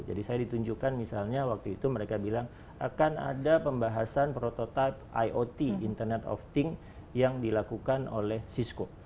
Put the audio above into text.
jadi saya ditunjukkan misalnya waktu itu mereka bilang akan ada pembahasan prototipe iot internet of things yang dilakukan oleh cisco